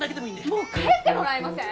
もう帰ってもらえません？